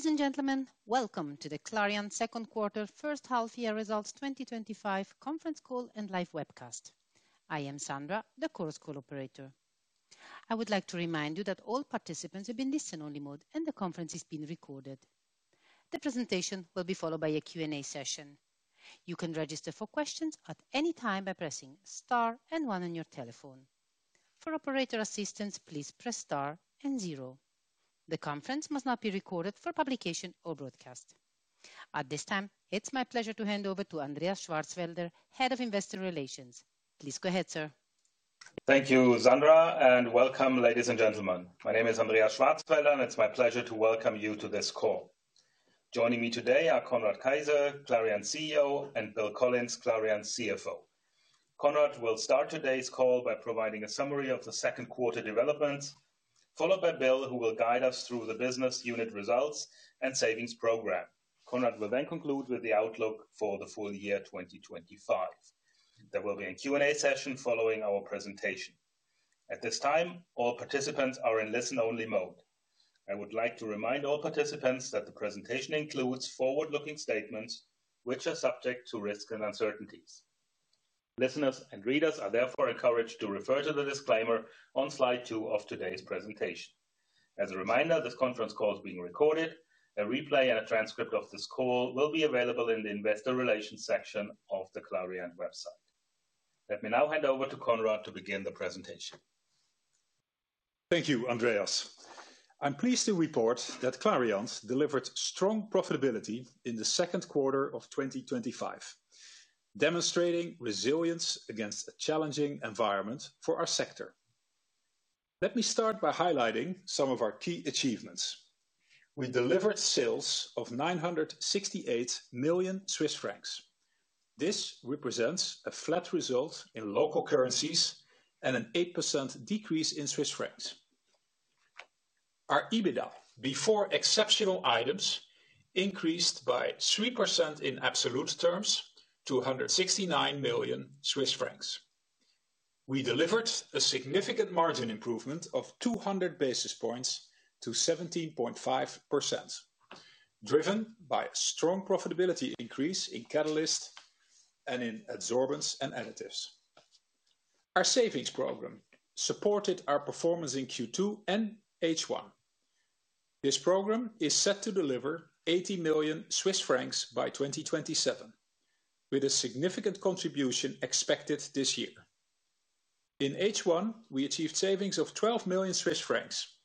Ladies and gentlemen, welcome to the Clariant Second Quarter First Half Year Results 2025 Conference Call and Live Webcast. I am Sandra, the Chorus Call operator. I would like to remind you that all participants have been listen-only mode and the conference is being recorded. The presentation will be followed by a Q&A session. You can register for questions at any time by pressing Star and 1 on your telephone. For operator assistance, please press Star. The conference must not be recorded for publication or broadcast at this time. It's my pleasure to hand over to Andreas Schwarzwälder, Head of Investor Relations. Please go ahead, sir. Thank you, Sandra, and welcome ladies and gentlemen. My name is Andreas Schwarzwälder and it's my pleasure to welcome you to this call. Joining me today are Conrad Keijzer, Clariant CEO, and Bill Collins, Clariant's CFO. Conrad will start today's call by providing a summary of the Second Quarter developments, followed by Bill who will guide us through the business unit results and savings program. Conrad will then conclude with the outlook for the full year 2025. There will be a Q&A session following our presentation. At this time, all participants are in listen-only mode. I would like to remind all participants that the presentation includes forward-looking statements which are subject to risks and uncertainties. Listeners and readers are therefore encouraged to refer to the disclaimer only on slide two of today's presentation. As a reminder, this conference call is being recorded. A replay and a transcript of this call will be available in the Investor Relations section of the Clariant website. Let me now hand over to Conrad to begin the presentation. Thank you, Andreas. I'm pleased to report that Clariant delivered strong profitability in the Second Quarter of 2025, demonstrating resilience against a challenging environment for our sector. Let me start by highlighting some of our key achievements. We delivered sales of 968 million Swiss francs. This represents a flat result in local currencies and an 8% decrease in Swiss francs. Our EBITDA before exceptional items increased by 3% in absolute terms to 169 million Swiss francs. We delivered a significant margin improvement of 200 basis points to 17.5%, driven by a strong profitability increase in catalysts and in adsorbents and additives. Our savings program supported our performance in Q2 and H1. This program is set to deliver 80 million Swiss francs by 2027, with a significant contribution expected this year. In H1 we achieved savings of 12 million Swiss francs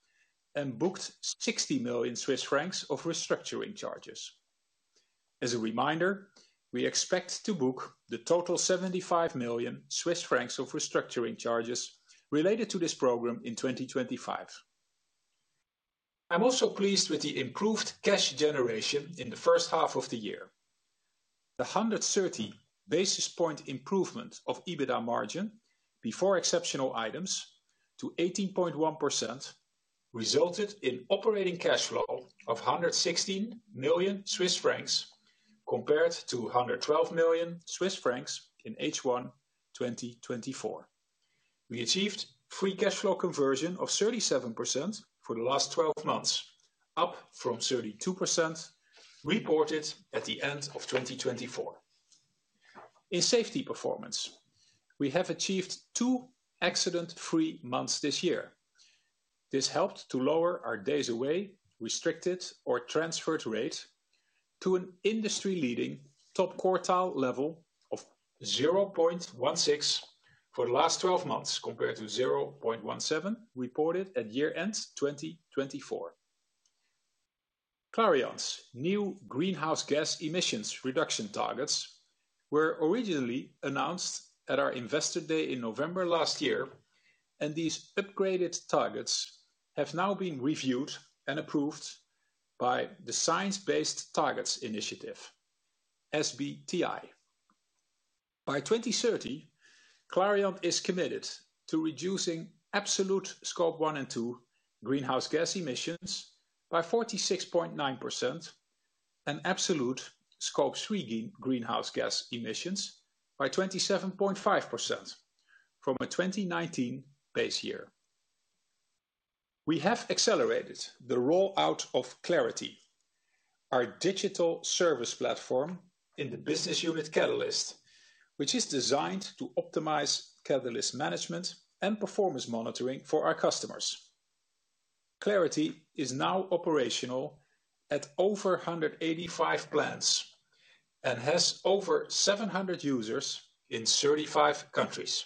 and booked 60 million Swiss francs of restructuring charges. As a reminder, we expect to book the total 75 million Swiss francs of restructuring charges related to this program in 2025. I'm also pleased with the improved cash generation in the first half of the year. The 130 basis point improvement of EBITDA margin before exceptional items to 18.1% resulted in operating cash flow of 116 million Swiss francs compared to 112 million Swiss francs in H1 2024. We achieved free cash flow conversion of 37% for the last 12 months, up from 32% reported at the end of 2024. In safety performance, we have achieved two accident-free months this year. This helped to lower our days away, restricted or transferred rate to an industry-leading top quartile level of 0.16 for the last 12 months compared to 0.17 reported at year end 2024. Clariant's new greenhouse gas emissions reduction targets were originally announced at our Investor Day in November last year, and these upgraded targets have now been reviewed and approved by the Science Based Targets initiative (SBTi). By 2030, Clariant is committed to reducing absolute scope 1 and 2 greenhouse gas emissions by 46.9% and absolute scope 3 greenhouse gas emissions by 27.5% from a 2019 base year. We have accelerated the rollout of Clarity, our digital service platform in the business unit Catalysts, which is designed to optimize catalyst management and performance monitoring for our customers. Clarity is now operational at over 185 plants and has over 700 users in 35 countries.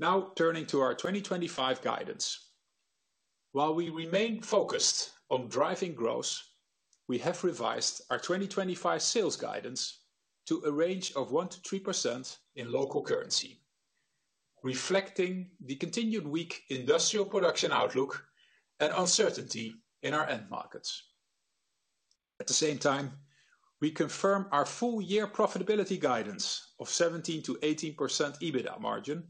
Now turning to our 2025 guidance, while we remain focused on driving growth, we have revised our 2025 sales guidance to a range of 1% to 3% in local currency, reflecting the continued weak industrial production outlook and uncertainty in our end markets. At the same time, we confirm our full year profitability guidance of 17% to 18% EBITDA margin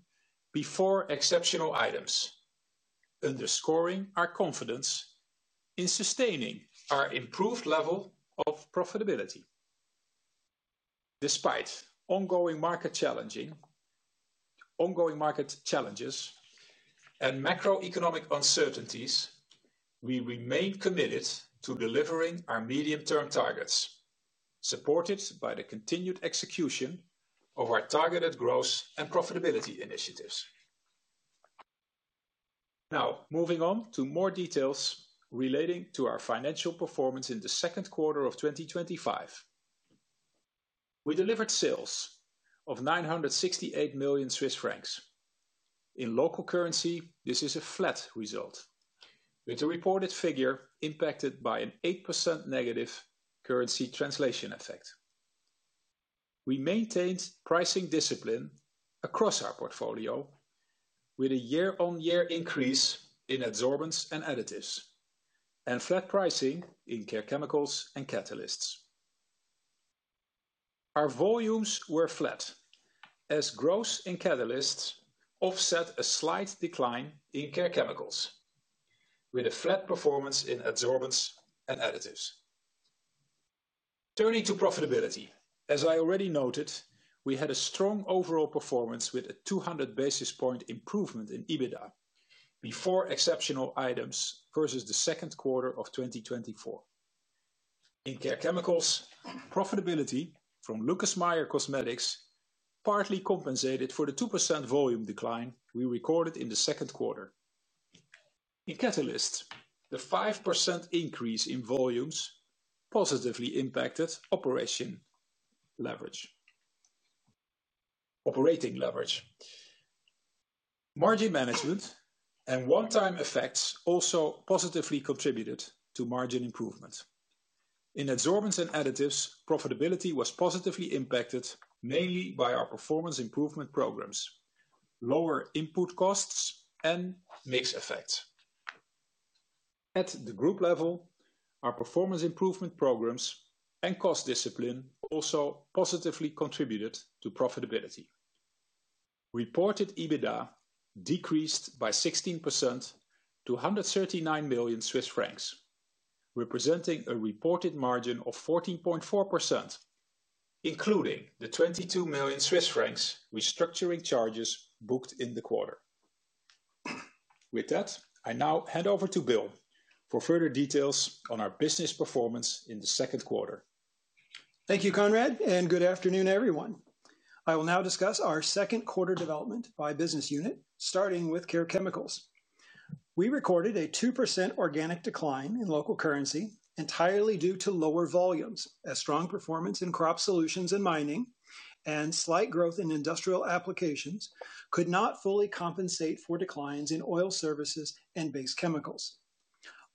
before exceptional items, underscoring our confidence in sustaining our improved level of profitability. Despite ongoing market challenges and macroeconomic uncertainties, we remain committed to delivering our medium term targets, supported by the continued execution of our targeted growth and profitability initiatives. Now moving on to more details relating to our financial performance. In the Second Quarter of 2025, we delivered sales of 968 million Swiss francs in local currency. This is a flat result, with the reported figure impacted by an 8% negative currency translation effect. We maintained pricing discipline across our portfolio, with a year-on-year increase in adsorbents and additives and flat pricing in Care Chemicals and Catalysts. Our volumes were flat, as growth in Catalysts offset a slight decline in Care Chemicals, with a flat performance in adsorbents and additives. Turning to profitability, as I already noted, we had a strong overall performance with a 200 basis point improvement in EBITDA before exceptional items versus the Second Quarter of 2024 in Care Chemicals. Profitability from Lucas Meyer Cosmetics partly compensated for the 2% volume decline we recorded in the Second Quarter in Catalysts. The 5% increase in volumes positively impacted operating leverage. Margin management and one-time effects also positively contributed to margin improvement in adsorbents and additives. Profitability was positively impacted mainly by our performance improvement programs, lower input costs, and mix effects at the group level. Our performance improvement programs and cost discipline also positively contributed to profitability. Reported EBITDA decreased by 16% to 139 million Swiss francs, representing a reported margin of 14.4%, including the 22 million Swiss francs restructuring charges booked in the quarter. With that, I now hand over to Bill for further details on our business performance in the Second Quarter. Thank you Conrad and good afternoon everyone. I will now discuss our Second Quarter development by business unit starting with Care Chemicals. We recorded a 2% organic decline in local currency entirely due to lower volumes as strong performance in crop solutions and mining and slight growth in industrial applications could not fully compensate for declines in oil services and base chemicals.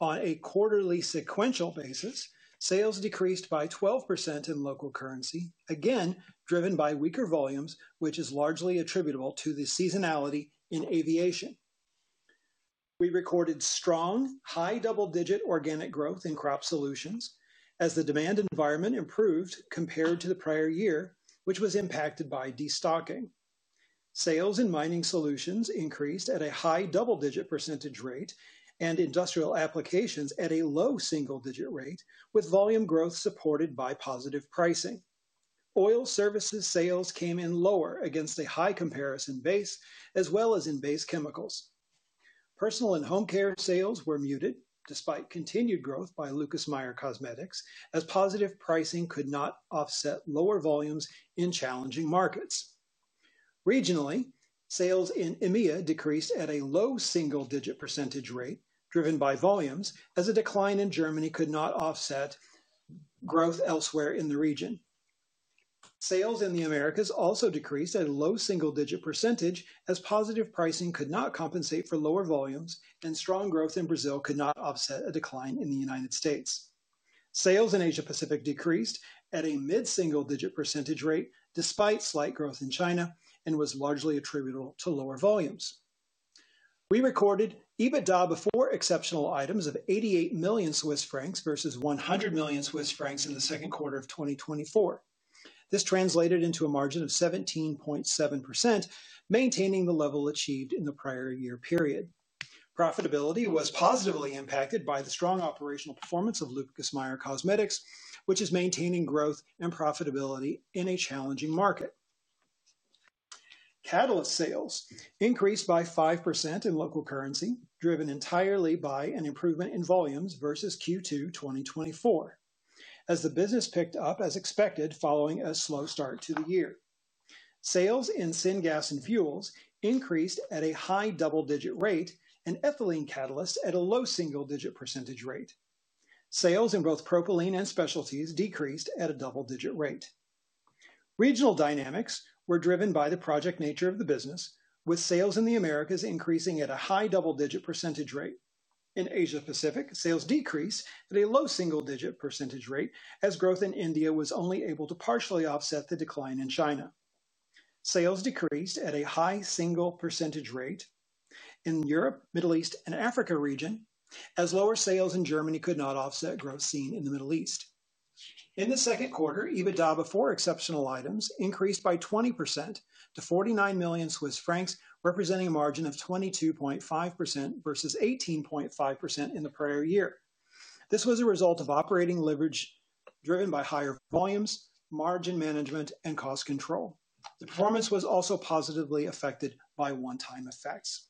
On a quarterly sequential basis, sales decreased by 12% in local currency, again driven by weaker volumes which is largely attributable to the seasonality in aviation. We recorded strong high double digit organic growth in crop solutions as the demand environment improved compared to the prior year which was impacted by destocking. Sales in mining solutions increased at a high double digit percentage rate and industrial applications at a low single digit rate with volume growth supported by positive pricing. Oil services sales came in lower against a high comparison base as well as in base chemicals. Personal and home care sales were muted despite continued growth by Lucas Meyer Cosmetics as positive pricing could not offset lower volumes in challenging markets. Regionally, sales in EMEA decreased at a low single digit percentage rate driven by volumes as a decline in Germany could not offset growth elsewhere in the region. Sales in the Americas also decreased at a low single digit percentage as positive pricing could not compensate for lower volumes and strong growth in Brazil could not offset a decline in the United States. Sales in Asia Pacific decreased at a mid single digit percentage rate despite slight growth in China and was largely attributable to lower volumes. We recorded EBITDA before exceptional items of 88 million Swiss francs versus 100 million Swiss francs in the Second Quarter of 2024. This translated into a margin of 17.7%, maintaining the level achieved in the prior year period. Profitability was positively impacted by the strong operational performance of Lucas Meyer Cosmetics which is maintaining growth and profitability in a challenging market. Catalyst sales increased by 5% in local currency driven entirely by an improvement in volumes versus Q2 2024 as the business picked up as expected following a slow start to the year. Sales in syngas and fuels increased at a high double digit rate and ethylene catalysts at a single digit percentage rate. Sales in both propylene and specialties decreased at a double digit rate. Regional dynamics were driven by the project nature of the business, with sales in the Americas increasing at a high double-digit percentage rate. In Asia Pacific, sales decreased at a low single-digit percentage rate as growth in India was only able to partially offset the decline in China. Sales decreased at a high single-digit percentage rate in Europe, Middle East and Africa region as lower sales in Germany could not offset growth seen in the Middle East. In the Second Quarter, EBITDA before exceptional items increased by 20% to 49 million Swiss francs, representing a margin of 22.5% versus 18.5% in the prior year. This was a result of operating leverage driven by higher volumes, margin management, and cost control. The performance was also positively affected by one-time effects.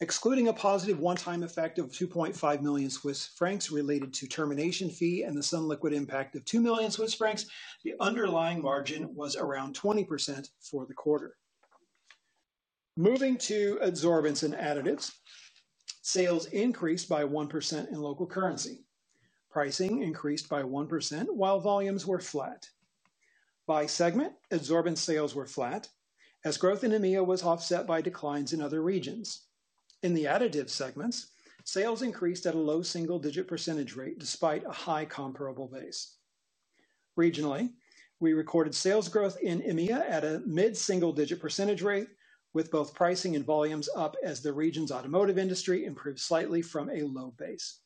Excluding a positive one-time effect of 2.5 million Swiss francs related to termination fee and the sunliquid impact of 2 million Swiss francs, the underlying margin was around 20% for the quarter. Moving to adsorbents and additives, sales increased by 1% in local currency. Pricing increased by 1% while volumes were flat by segment. Adsorbent sales were flat as growth in EMEA was offset by declines in other regions. In the additives segment, sales increased at a low single-digit percentage rate despite a high comparable base. Regionally, we recorded sales growth in EMEA at a mid single-digit percentage rate with both pricing and volumes up as the region's automotive industry improved slightly from a low base.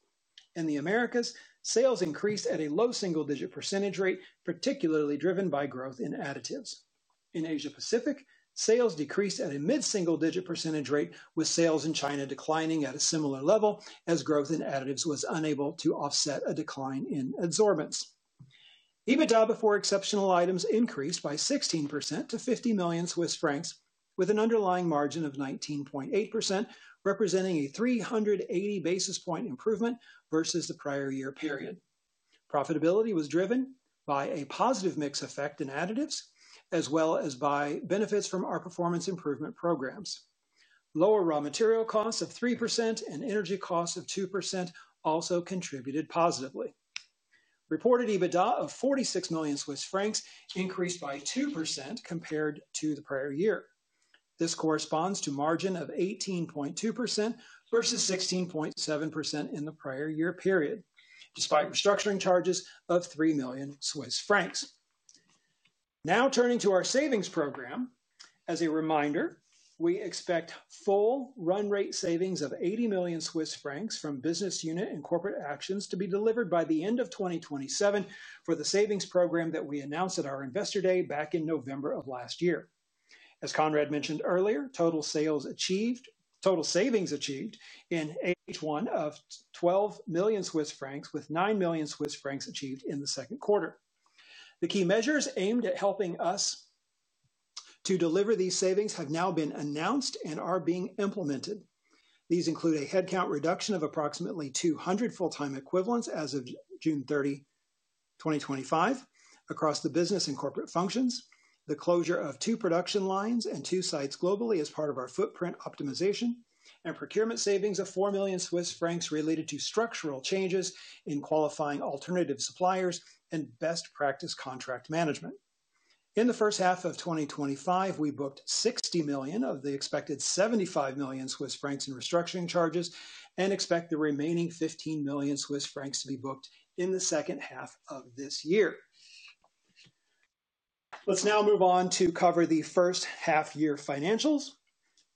In the Americas, sales increased at a low single-digit percentage rate, particularly driven by growth in additives. In Asia Pacific, sales decreased at a mid single-digit percentage rate with sales in China declining at a similar level as growth in additives was unable to offset a decline in adsorbents. EBITDA before exceptional items increased by 16% to 50 million Swiss francs with an underlying margin of 19.8%, representing a 380 basis point improvement versus the prior year. Period profitability was driven by a positive mix effect in additives as well as by benefits from our performance improvement programs. Lower raw material costs of 3% and energy costs of 2% also contributed positively. Reported EBITDA of 46 million Swiss francs increased by 2% compared to the prior year. This corresponds to a margin of 18.2% versus 16.7% in the prior year period despite restructuring charges of 3 million Swiss francs. Now turning to our savings program, as a reminder, we expect full run rate savings of 80 million Swiss francs from business unit and corporate actions to be delivered by the end of 2027 for the savings program that we announced at our Investor Day back in November of last year. As Conrad mentioned earlier, total savings achieved in H1 of 12 million Swiss francs with 9 million Swiss francs achieved in the Second Quarter. The key measures aimed at helping us to deliver these savings have now been announced and are being implemented. These include a headcount reduction of approximately 200 full-time equivalents as of June 30, 2025, across the business and corporate functions, the closure of two production lines and two sites globally as part of our footprint optimization, and procurement savings of 4 million Swiss francs related to structural changes in qualifying alternative suppliers and best practice contract management. In the first half of 2025, we booked 60 million of the expected 75 million Swiss francs in restructuring charges and expect the remaining 15 million Swiss francs to be booked in the second half of this year. Let's now move on to cover the first half year financials.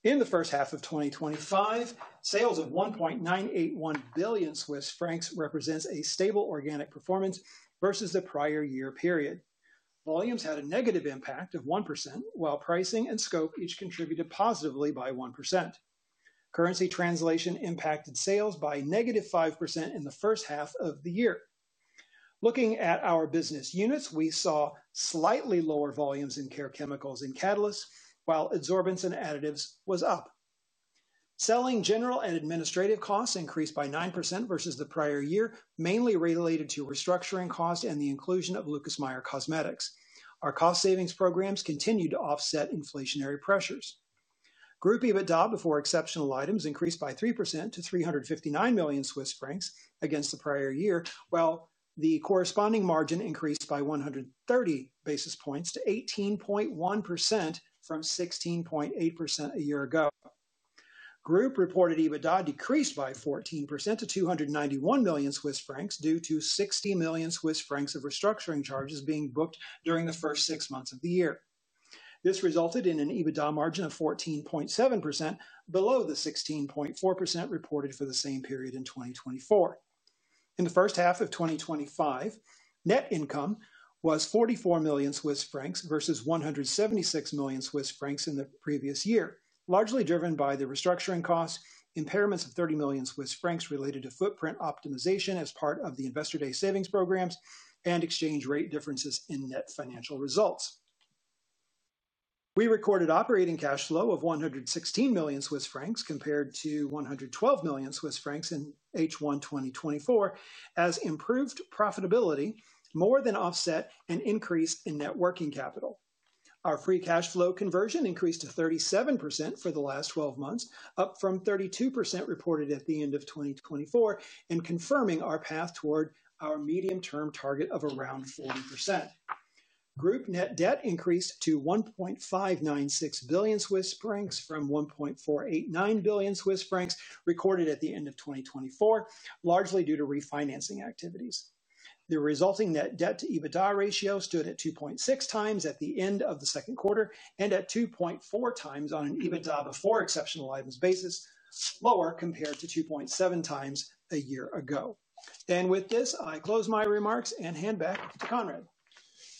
In the first half of 2025, sales of 1.981 billion Swiss francs represent a stable organic performance versus the prior year. Period volumes had a negative impact of 1% while pricing and scope each contributed positively by 1%. Currency translation impacted sales by negative 5% in the first half of the year. Looking at our business units, we saw slightly lower volumes in Care Chemicals and Catalysts while Adsorbents and Additives was up. Selling, General and Administrative costs increased by 9% versus the prior year, mainly related to restructuring costs and the inclusion of Lucas Meyer Cosmetics. Our cost savings programs continued to offset inflationary pressures. Group EBITDA before exceptional items increased by 3% to 359 million Swiss francs against the prior year, while the corresponding margin increased by 130 basis points to 18.1% from 16.8% a year ago. Group reported EBITDA decreased by 14% to 291 million Swiss francs due to 60 million Swiss francs of restructuring charges being booked during the first six months of the year. This resulted in an EBITDA margin of 14.7%, below the 16.4% reported for the same period in 2024. In the first half of 2025, net income was 44 million Swiss francs versus 176 million Swiss francs in the previous year, largely driven by the restructuring costs, impairments of 30 million Swiss francs related to footprint optimization as part of the Investor Day savings programs, and exchange rate differences in net financial results. We recorded operating cash flow of 116 million Swiss francs compared to 112 million Swiss francs in H1 2024. As improved profitability more than offset an increase in net working capital, our free cash flow conversion increased to 37% for the last 12 months, up from 32% reported at the end of 2024, confirming our path toward our medium term target of around 40%. Group net debt increased to 1.596 billion Swiss francs from 1.489 billion Swiss francs recorded at the end of 2024, largely due to refinancing activities. The resulting net debt to EBITDA ratio stood at 2.6 times at the end of the Second Quarter and at 2.4 times on an EBITDA before exceptional items basis, lower compared to 2.7 times a year ago. I close my remarks and hand back to Conrad.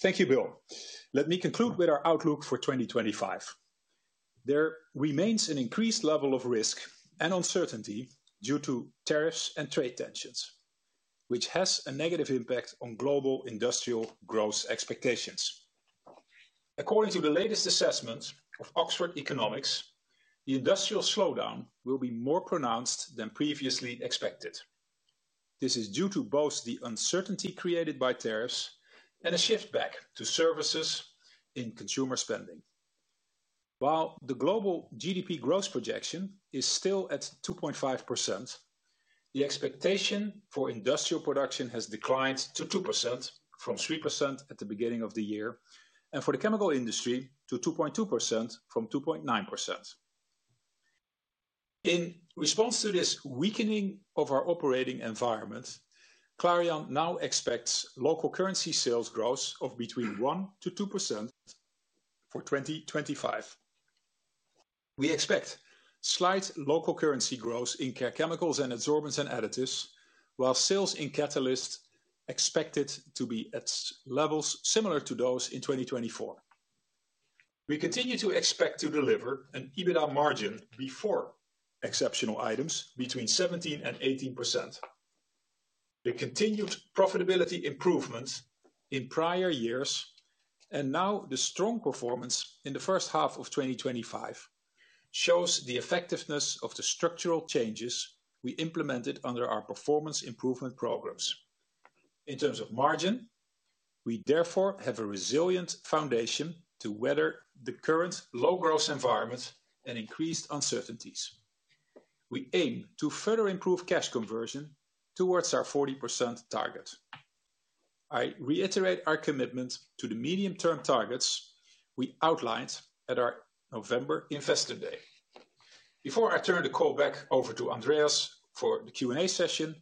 Thank you, Bill. Let me conclude with our outlook for 2025. There remains an increased level of risk and uncertainty due to tariffs and trade tensions, which has a negative impact on global industrial growth expectations. According to the latest assessment of Oxford Economics, the industrial slowdown will be more pronounced than previously expected. This is due to both the uncertainty created by tariffs and a shift back to services in consumer spending. While the global GDP growth projection is still at 2.5%, the expectation for industrial production has declined to 2% from 3% at the beginning of the year, and for the chemical industry to 2.2% from 2.9%. In response to this weakening of our operating environment, Clariant now expects local currency sales growth of between 1% to 2% for 2025. We expect slight local currency growth in chemicals and adsorbents and additives, while sales in catalysts are expected to be at levels similar to those in 2024. We continue to expect to deliver an EBITDA margin before exceptional items between 17% and 18%. The continued profitability improvement in prior years and now the strong performance in the first half of 2025 shows the effectiveness of the structural changes we implemented under our performance improvement programs in terms of margin. We therefore have a resilient foundation to weather the current low growth environment and increased uncertainties. We aim to further improve cash conversion towards our 40% target. I reiterate our commitment to the medium-term targets we outlined at our November Investor Day. Before I turn the call back over to Andreas for the Q&A session,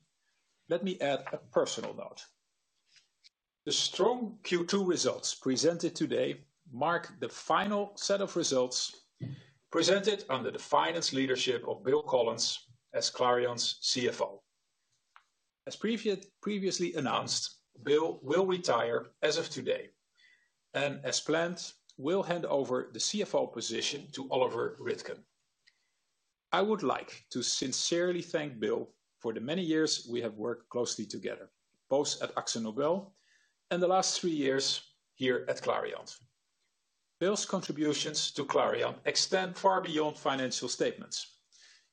let me add a personal note. The strong Q2 results presented today mark the final set of results presented under the finance leadership of Bill Collins as Clariant's CFO. As previously announced, Bill will retire as of today and, as planned, will hand over the CFO position to Oliver Rittgen. I would like to sincerely thank Bill for the many years we have worked closely together both at AkzoNobel and the last three years here at Clariant. Bill's contributions to Clariant extend far beyond financial statements.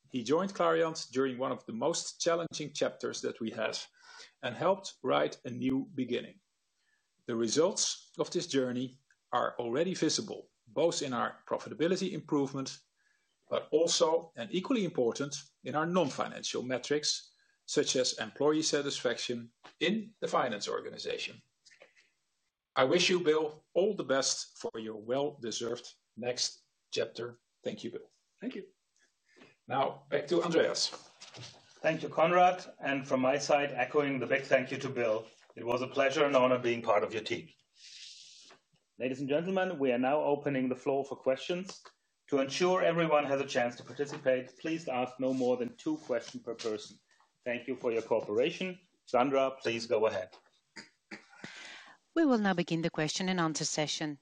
He joined Clariant during one of the most challenging chapters that we have and helped write a new beginning. The results of this journey are already visible both in our profitability improvement, but also and equally important in our non-financial metrics such as employee satisfaction in the finance organization. I wish you, Bill, all the best for your well-deserved next chapter. Thank you, Bill. Thank you. Now back to Andreas. Thank you, Conrad. From my side, echoing the big thank you to Bill. It was a pleasure and honor being part of your team. Ladies and gentlemen, we are now opening the floor for questions to ensure everyone has a chance to participate. Please ask no more than two questions per person. Thank you for your cooperation. Sandra, please go ahead. We will now begin the question and answer session.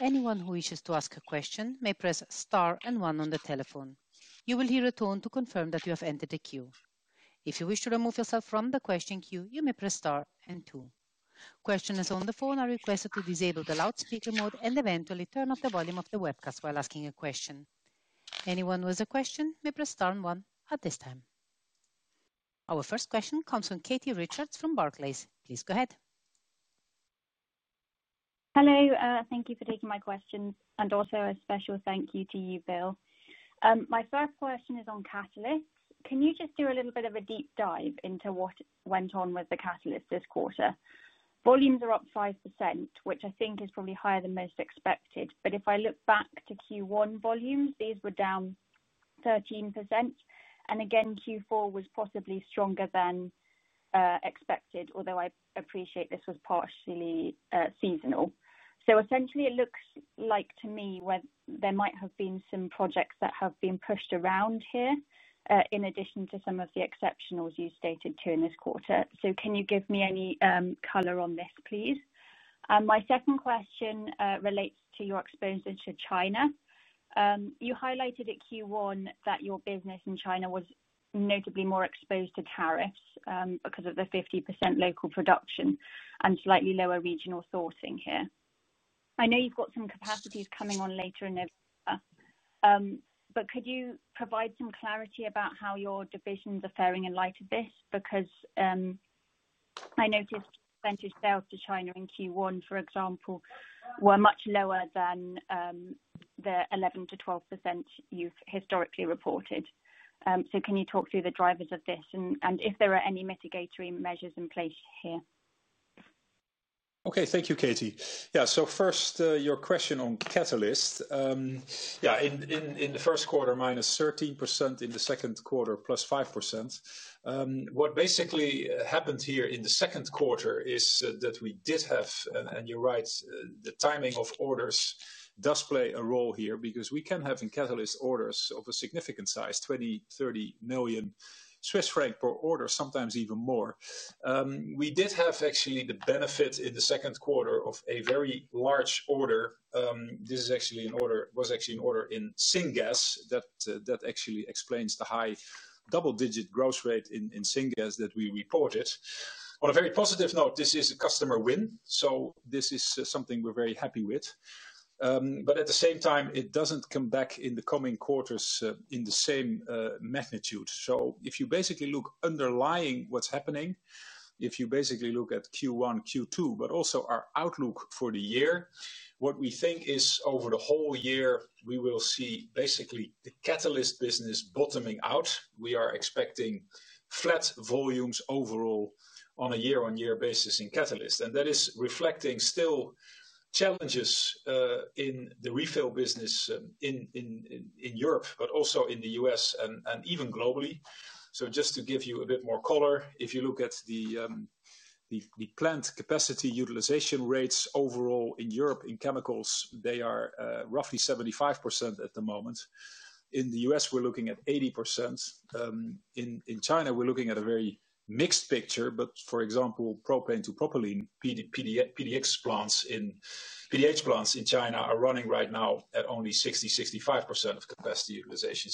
Anyone who wishes to ask a question may press star and one on the telephone. You will hear a tone to confirm that you have entered the queue. If you wish to remove yourself from the question queue, you may press star and two. Questioners on the phone are requested to disable the loudspeaker mode and eventually turn off the volume of the webcast while asking a question. Anyone who has a question may press star one at this time. Our first question comes from Katie Richards from Barclays. Please go ahead. Hello. Thank you for taking my questions and also a special thank you to you, Bill. My third question is on Catalysts. Can you just do a little bit of a deep dive into what went on with the Catalysts this quarter? Volumes are up 5%, which I think is probably higher than most expected. If I look back to Q1 volumes, these were down 13%. Q4 was possibly stronger than expected, although I appreciate this was partially seasonal. Essentially it looks like to me there might have been some projects that have been pushed around here in addition to some of the exceptionals you stated in this quarter. Can you give me any color on this, please? My second question relates to your exposure to China. You highlighted at Q1 that your business in China was notably more exposed to tariffs because of the 50% local production and slightly lower regional sourcing here. I know you've got some capacities coming on later in November, but could you provide some clarity about how your divisions are faring in light of this? I noticed percentage sales to China in Q1, for example, were much lower than the 11 to 12% you've historically reported. Can you talk through the drivers of this and if there are any mitigatory measures in place here? Okay, thank you, Katie. Yeah. First, your question on catalysts in the first quarter, -13%, in the Second Quarter, +5%. What basically happened here in the Second Quarter is that we did have, and you're right, the timing of orders does play a role here because we can have in catalysts orders of a significant size, 20, 30 million Swiss franc per order, sometimes even more. We did have actually the benefit in the Second Quarter of a very large order. This is actually an order, was actually an order in syngas that actually explains the high double-digit growth rate in syngas that we reported on a very positive note. This is a customer win, so this is something we're very happy with. At the same time, it doesn't come back in the coming quarters in the same magnitude. If you basically look underlying what's happening, if you basically look at Q1, Q2, but also our outlook for the year, what we think is over the whole year we will see basically the catalysts business bottoming out. We are expecting flat volumes overall on a year-on-year basis in catalysts. That is reflecting still challenges in the refill business in Europe, but also in the U.S. and even globally. Just to give you a bit more color, if you look at the plant capacity utilization rates overall in Europe in chemicals, they are roughly 75% at the moment. In the U.S. we're looking at 80%. In China we're looking at a very mixed picture. For example, propane to propylene PDH plants in China are running right now at only 60, 65% of capacity utilization.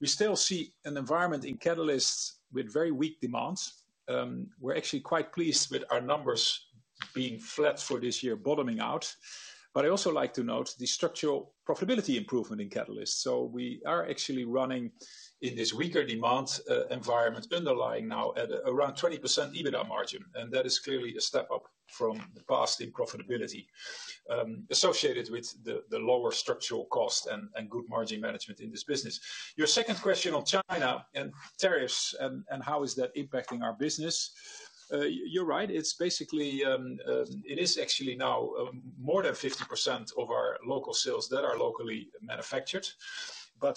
We still see an environment in catalysts with very weak demands. We're actually quite pleased with our numbers being flat for this year, bottoming out. I also like to note the structural profitability improvement in catalysts. We are actually running in this weaker demand environment underlying now at around 20% EBITDA margin. That is clearly a step up from the past in profitability associated with the lower structural cost and good margin management in this business. Your second question on China and tariffs and how is that impacting our—you're right, it's basically—it is actually now more than 50% of our local sales that are locally manufactured.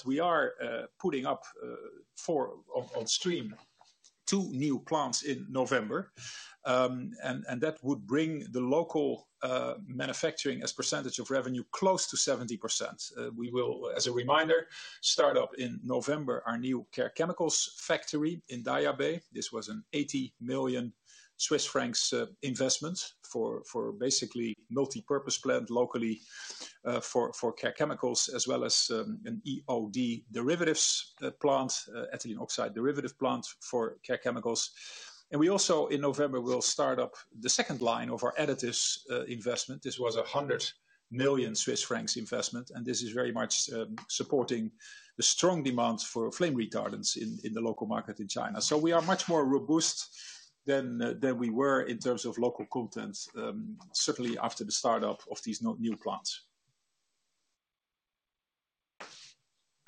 We are putting up on stream two new plants in November and that would bring the local manufacturing as percentage of revenue close to 70%. As a reminder, we will start up in November our NeoCare Chemicals factory in Daya Bay. This was an 80 million Swiss francs investment for basically a multipurpose plant locally for Care Chemicals as well as an ethylene oxide derivatives plant for Care Chemicals. We also in November will start up the second line of our additives investment. This was an 100 million Swiss francs investment, and this is very much supporting the strong demand for flame retardants in the local market in China. We are much more robust than we were in terms of local content, certainly after the startup of these new plants.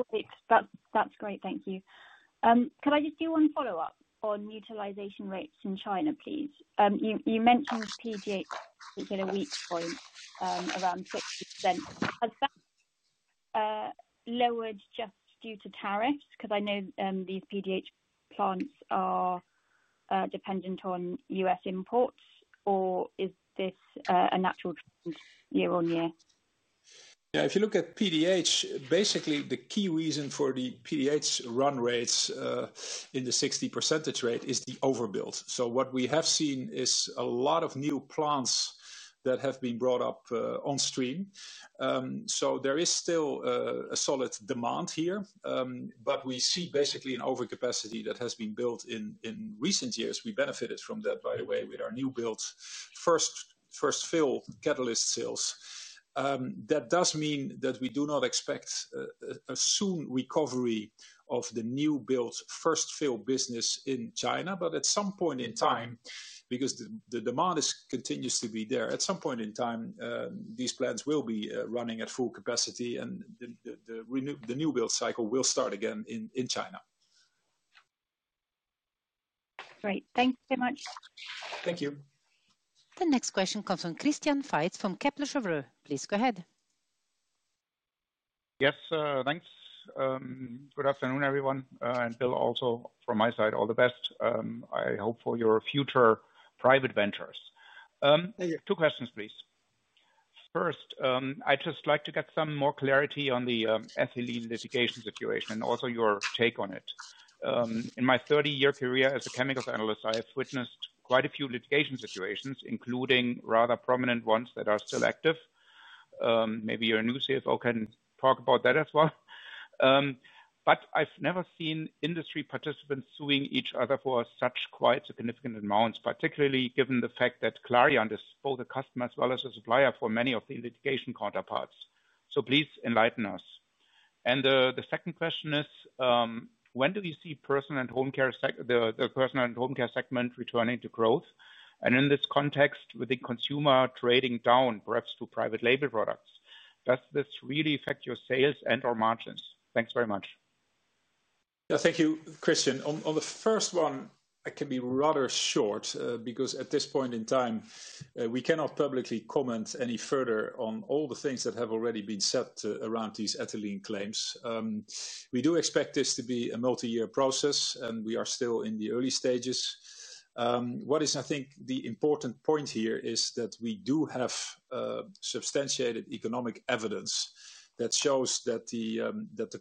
That's great. Thank you. Can I just do one follow-up on utilization rates in China, please? You mentioned PDH around 50%. Has that lowered just due to tariffs? Because I know these PDH plants are dependent on U.S. imports or is this a natural trend year-on-year? Yeah, if you look at PDH, basically the key reason for the PDH run rates in the 60percentage rate is the overbuild. What we have seen is a lot of new plants that have been brought up on stream. There is still a solid demand here. We see basically an overcapacity that has been built in recent years. We benefited from that, by the way, with our new build first fill catalyst sales. That does mean that we do not expect a soon recovery of the new build first fill business in China. At some point in time, because the demand continues to be there, these plants will be running at full capacity and the new build cycle will start again in China. Great, thanks so much. Thank you. The next question comes from Christian Faitz from Kepler Cheuvreux. Please go ahead. Yes, thanks. Good afternoon everyone and Bill, also from my side, all the best. I hope for your future private ventures. Two questions please. First, I'd just like to get some more clarity on the ethylene litigation situation and also your take on it. In my 30-year career as a chemicals analyst, I have witnessed quite a few litigation situations, including rather prominent ones that are still active. Maybe your new CFO can talk about that as well, but I've never seen industry participants suing each other for such quite significant amounts, particularly given the fact that Clariant is both the customer as well as a supplier for many of the litigation counterparts. Please enlighten us. The second question is, when do you see the personal home care segment returning to growth? In this context, with the consumer trading down perhaps to private label products, does this really affect your sales and/or margins? Thanks very much. Thank you, Christian. On the first one, I can be rather short because at this point in time we cannot publicly comment any further on all the things that have already been said around these ethylene claims. We do expect this to be a multi-year process and we are still in the early stages. What is, I think, the important point here is that we do have substantiated economic evidence that shows that the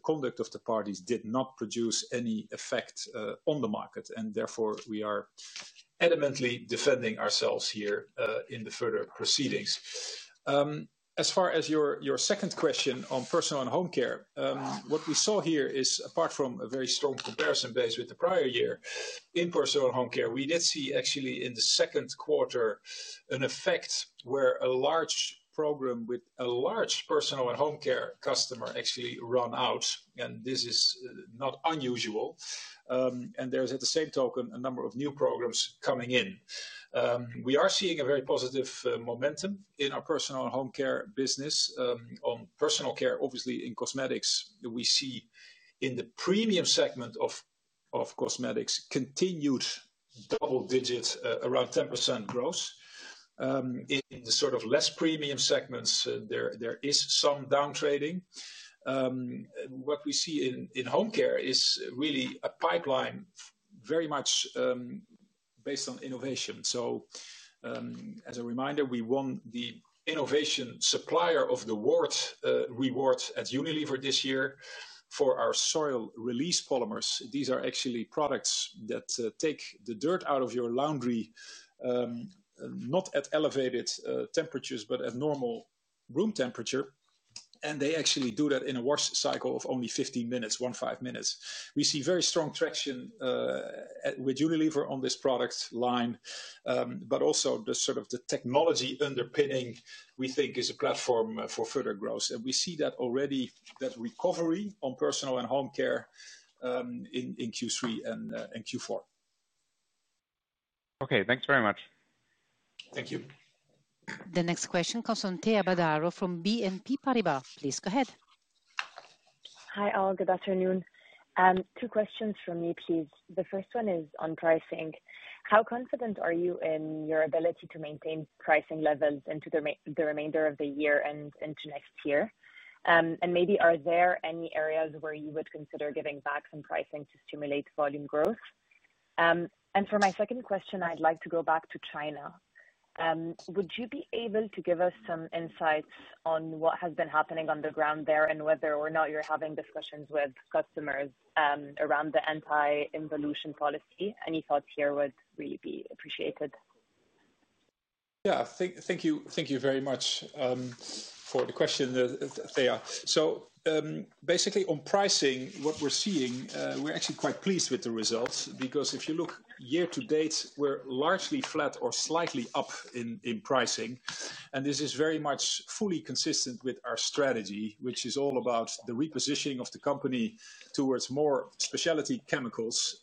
conduct of the parties did not produce any effect on the market, and therefore we are adamantly defending ourselves here in the further proceedings. As far as your second question on personal and home care, what we saw here is, apart from a very strong comparison base with the prior year in personal home care, we did see actually in the Second Quarter an effect where a large program with a large personal and home care customer actually ran out. This is not unusual. At the same token, a number of new programs are coming in. We are seeing a very positive momentum in our personal home care business. On personal care, obviously in cosmetics, we see in the premium segment of cosmetics continued double digits, around 10% growth. In the sort of less premium segments, there is some down trading. What we see in home care is really a pipeline very much based on innovation. As a reminder, we won the innovation supplier of the year awards at Unilever this year for our soil release polymers. These are actually products that take the dirt out of your laundry not at elevated temperatures but at normal room temperature. They actually do that in a wash cycle of only 15 minutes, 15 minutes. We see very strong traction with Unilever on this product line. The technology underpinning, we think, is a platform for further growth. We see already that recovery on personal and home care in Q3 and Q4. Okay, thanks very much. Thank you. The next question comes from Thea Badaro from BNP Paribas. Please go ahead. Hi all. Good afternoon. Two questions from me please. The first one is on pricing. How confident are you in your ability to maintain pricing levels into the remainder of the year and into next year? Maybe are there any areas where you would consider giving back some pricing to stimulate volume growth? For my second question, I'd like to go back to China. Would you be able to give us some insights on what has been happening on the ground there and whether or not you're having discussions with customers around the anti involution policy? Any thoughts here would really be appreciated. Thank you very much for the question, Thea. Basically on pricing, what we're seeing, we're actually quite pleased with the results because if you look year to date, we're largely flat or slightly up in pricing. This is very much fully consistent with our strategy, which is all about the repositioning of the company towards more specialty chemicals.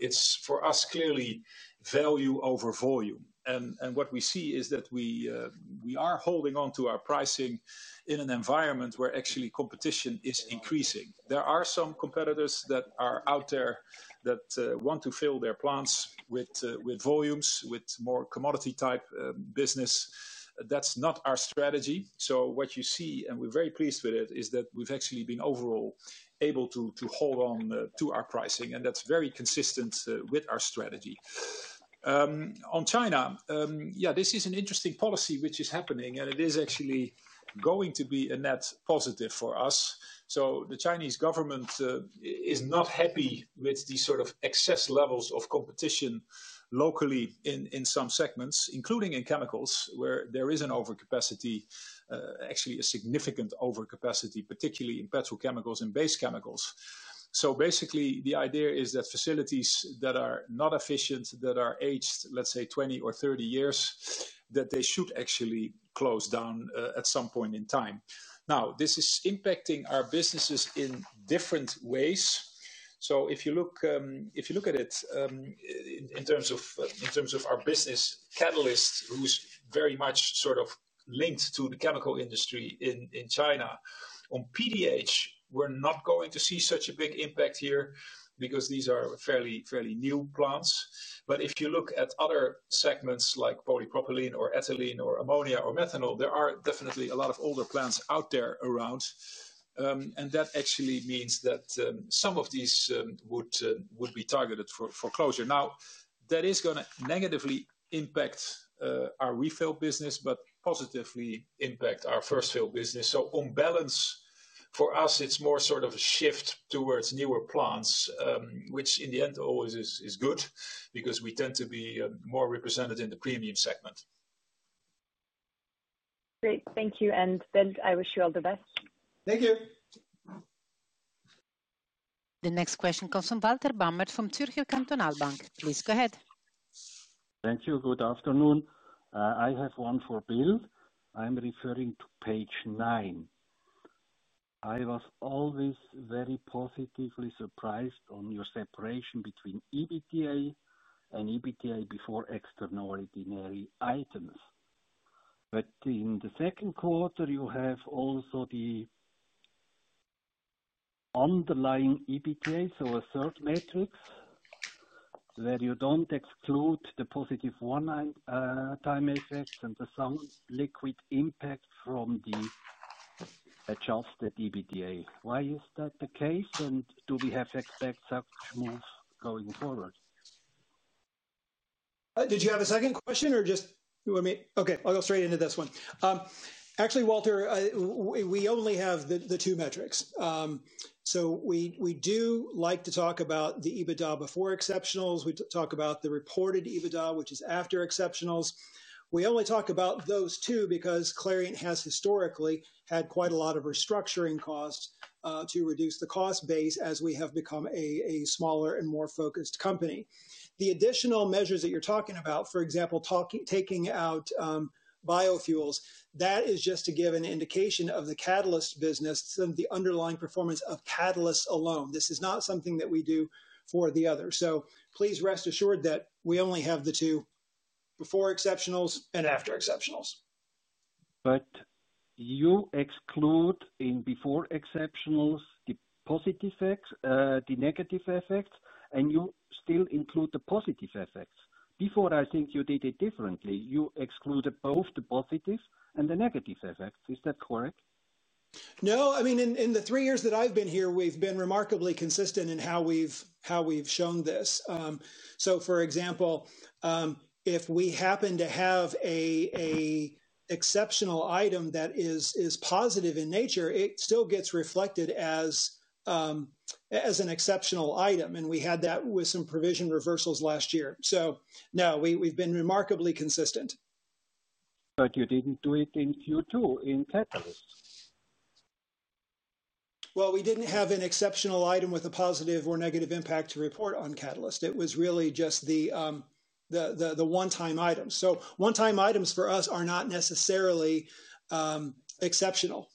It's for us clearly value over volume. What we see is that we are holding on to our pricing in an environment where actually competition is increasing. There are some competitors that are out there that want to fill their plants with volumes with more commodity type business. That's not our strategy. What you see, and we're very pleased with it, is that we've actually been overall able to hold on to our pricing, and that's very consistent with our strategy on China. This is an interesting policy which is happening, and it is actually going to be a net positive for us. The Chinese government is not happy with these sort of excess levels of competition locally in some segments, including in chemicals, where there is an overcapacity, actually a significant overcapacity, particularly in petrochemicals and base chemicals. Basically the idea is that facilities that are not efficient, that are aged, let's say 20 or 30 years, that they should actually close down at some point in time. This is impacting our businesses in different ways. If you look at it. In terms of our business Catalysts, which is very much sort of linked to the chemical industry in China on PDH, we're not going to see such a big impact here because these are fairly, fairly new plants. If you look at other segments like polypropylene or ethylene or ammonia or methanol, there are definitely a lot of older plants out there around and that actually means that some of these would be targeted for closure. That is going to negatively impact our refill business, but positively impact our first fill business. On balance for us it's more sort of a shift towards newer plants, which in the end always is good because we tend to be more represented in the premium segment. Great, thank you. Bill, I wish you all the best, thank you. The next question comes from Walter Bamert from Zürcher Kantonalbank. Please go ahead. Thank you. Good afternoon. I have one for Bill. I'm referring to page nine. I was always very positively surprised on your separation between EBITDA and EBITDA before external ordinary items. In the Second Quarter, you have also the underlying EBITDA, so a third metric where you don't exclude the positive one-time effect and the sunliquid impact from the adjusted EBITDA. Why is that the case, and do we have to expect such moves going forward? Did you have a second question or just—okay, I'll go straight into this one. Actually, Walter, we only have the two metrics. We do like to talk about the EBITDA before exceptionals. We talk about the reported EBITDA, which is after exceptionals. We only talk about those two because Clariant has historically had quite a lot of restructuring costs to reduce the cost base as we have become a smaller and more focused company. The additional measures that you're talking about, for example, taking out biofuels, that is just to give an indication of the Catalysts business and the underlying performance of catalysts alone. This is not something that we do for the other. Please rest assured that we only have the two, before exceptionals and after exceptionals. You exclude in before exceptionals the positive effects, the negative effects, and you still include the positive effect before. I think you did it differently. You excluded both the positive and the negative effects, is that correct? No. I mean, in the three years that I've been here, we've been remarkably consistent in how we've shown this. For example, if we happen to have an exceptional item that is positive in nature, it still gets reflected as an exceptional item. We had that with some provision reversals last year. No, we've been remarkably consistent. You didn't do it in Q2 in Catalysts. We didn't have an exceptional item with a positive or negative impact to report on Catalysts. It was really just the one-time items. One-time items for us are not necessarily exceptional.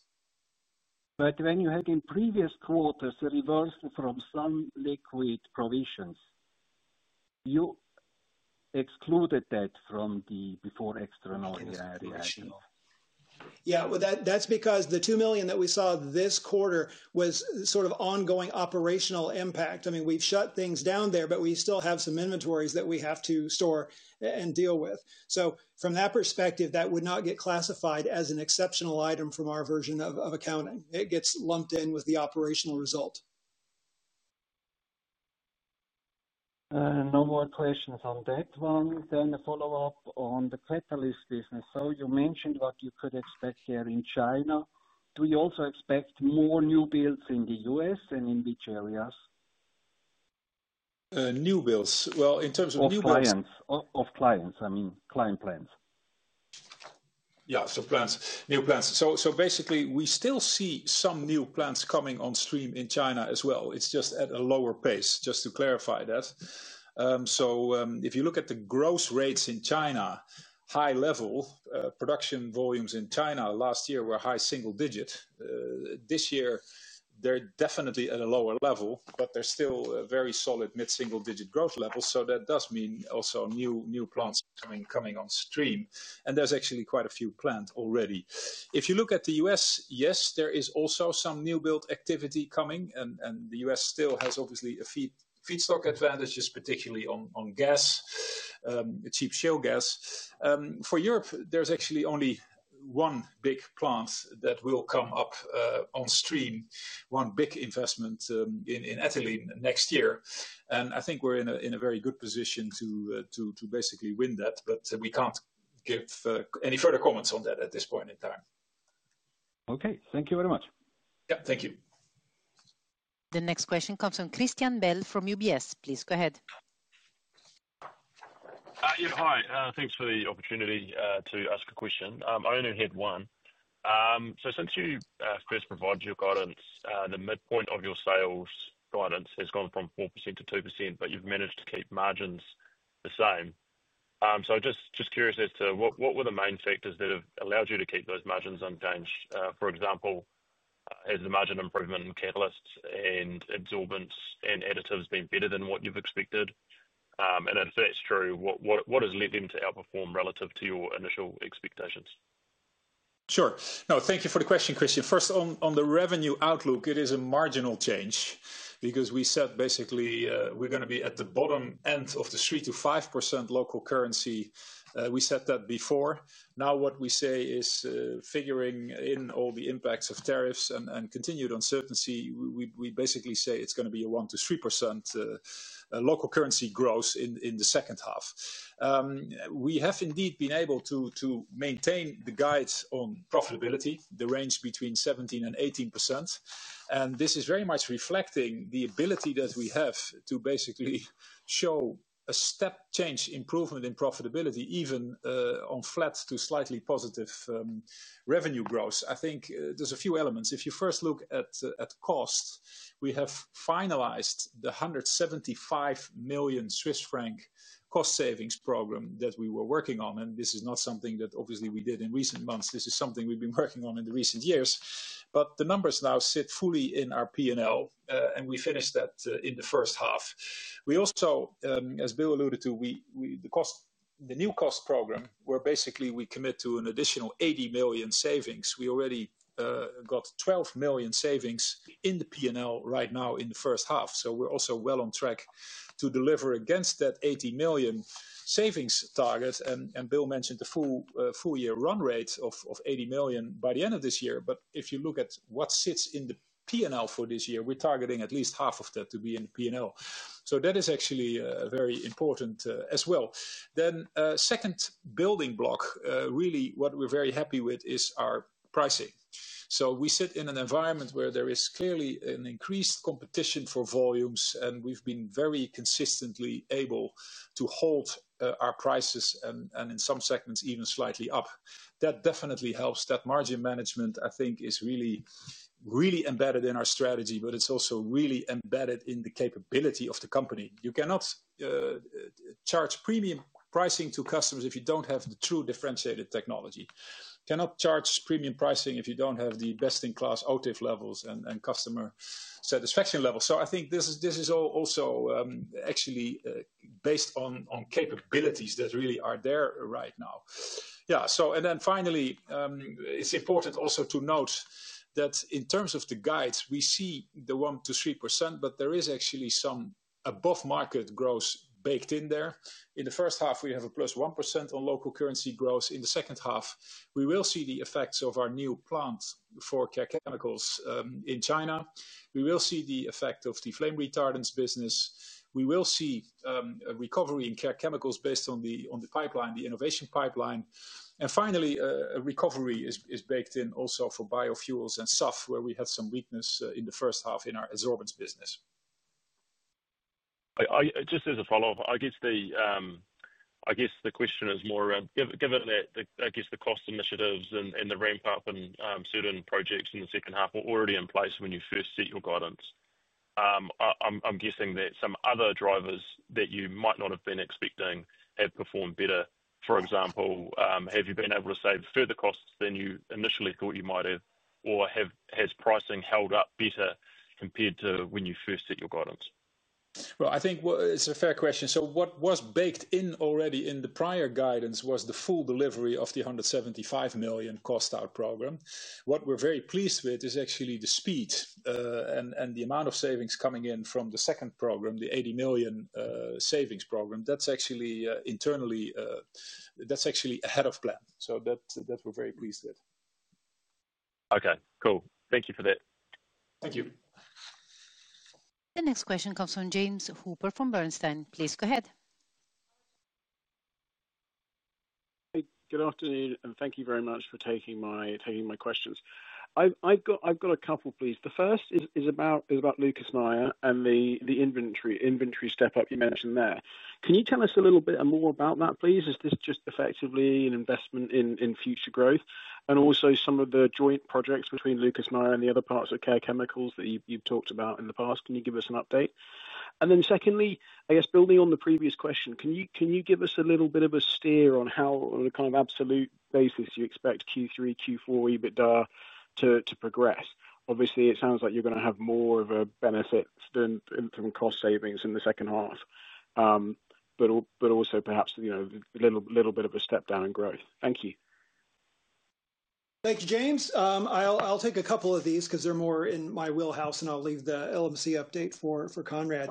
When you had in previous quarters a reversal from sunliquid provisions, you excluded that from the before external reactions. Yeah, that's because the 2 million that we saw this quarter was sort of ongoing operational impact. I mean, we've shut things down there, but we still have some inventories that we have to store and deal with. From that perspective, that would not get classified as an exceptional item from our version of accounting. It gets lumped in with the operational result. No more questions on that one. A follow-up on the Catalysts business: you mentioned what you could expect here in China. Do you also expect more new builds in the U.S., and in which areas? New builds? In terms of new builds of. Clients, I mean client plants. Yeah. New plants, basically we still see some new plants coming on stream in China as well. It's just at a lower pace, just to clarify that. If you look at the gross rates in China, high level production volumes in China last year were high single digit. This year they're definitely at a lower level, but they're still very solid mid single digit growth levels. That does mean also new plants coming on stream. There's actually quite a few planned already. If you look at the U.S., yes, there is also some new build activity coming and the U.S. still has obviously a feedstock advantage, particularly on gas, cheap shale gas. For Europe, there's actually only one big plant that will come up on stream, one big investment in ethylene next year. I think we're in a very good position to basically win that. We can't give any further comments on that at this point in time. Okay, thank you very much. Yeah, thank you. The next question comes from Christian Bell from UBS. Please go ahead. Hi. Thanks for the opportunity to ask a question. I only had one. Since you first provided your guidance, the midpoint of your sales guidance has gone from 4% to 2%, but you've managed to keep margins the same. I'm just curious as to what were the main factors that have allowed you to keep those margins unchanged. For example, has the margin improvement in catalysts, adsorbents, and additives been better than what you've expected? If that's true, what has led them to outperform relative to your initial expectations? Sure. No, thank you for the question, Christian. First, on the revenue outlook, it is a marginal change because we said basically we're going to be at the bottom end of the 3% to 5% local currency. We set that before. Now what we say is figuring in all the impacts of tariffs and continued uncertainty, we basically say it's going to be a 1% to 3% local currency growth in the second half. We have indeed been able to maintain the guide on profitability, the range between 17% and 18%. This is very much reflecting the ability that we have to basically show a step change improvement in profitability even on flat to slightly positive revenue growth. I think there's a few elements. If you first look at cost, we have finalized the 175 million Swiss franc cost savings program that we were working on. This is not something that obviously we did in recent months, this is something we've been working on in the recent years. The numbers now sit fully in our P&L and we finished that in the first half. We also, as Bill alluded to, the new cost program where basically we commit to an additional 80 million savings. We already got 12 million savings in the P&L right now in the first half. We're also well on track to deliver against that 80 million savings target. Bill mentioned the full year run rate of 80 million by the end of this year. If you look at what sits in the P&L for this year, we're targeting at least half of that to be in the P&L. That is actually very important as well. The second building block, really what we're very happy with, is our pricing. We sit in an environment where there is clearly an increased competition for volumes and we've been very consistently able to hold our prices and in some segments even slightly up. That definitely helps. That margin management I think is really, really embedded in our strategy, but it's also really embedded in the capability of the company. You cannot charge premium pricing to customers if you don't have the true differentiated technology. You cannot charge premium pricing if you don't have the best in class OTIF levels and customer satisfaction levels. I think this is also actually based on capabilities that really are there right now. Finally, it's important also to note that in terms of the guides, we see the 1% to 3% but there is actually some above market growth baked in there. In the first half we have a plus 1% on local currency growth. In the second half, we will see the effects of our new plant for Care Chemicals in China. We will see the effect of the flame retardants business. We will see a recovery in Care Chemicals based on the innovation pipeline. Finally, a recovery is baked in also for biofuels and SAF, where we had some weakness in the first half in our adsorbents business. Just as a follow up, I guess the question is more around given that the cost initiatives and the ramp up in certain projects in the second half were already in place when you first set your guidance. I'm guessing that some other drivers that you might not have been expecting have performed better. For example, have you been able to save further costs than you initially thought you might have? Or has pricing held up better compared to when you first set your guidance? I think it's a fair question. What was baked in already in the prior guidance was the full delivery of the 175 million cost out program. What we're very pleased with is actually the speed and the amount of savings coming in from the second program, the 80 million savings program that's actually internally, that's actually ahead of plan. That we're very pleased with. Okay, cool. Thank you for that. Thank you. The next question comes from James Hooper from Bernstein. Please go ahead. Good afternoon and thank you very much for taking my questions. I've got a couple, please. The first is about Lucas Meyer and the inventory step up you mentioned there. Can you tell us a little bit more about that, please? Is this just effectively an investment in future growth and also some of the joint projects between Lucas Meyer and the other parts of Care Chemicals that you've talked about in the past? Can you give us an update? Secondly, I guess building on the previous question, can you give us a little bit of a steer on how on a kind of absolute basis you expect Q3, Q4, EBITDA to progress? Obviously it sounds like you're going to have more of a benefit than some cost savings in the second half also perhaps a little bit of a step down in growth. Thank you. Thank you, James. I'll take a couple of these because they're more in my wheelhouse. I'll leave the LMC update for Conrad.